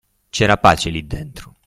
C'era pace, lì dentro.